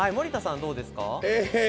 どうですか？